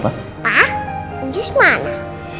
pak njus mana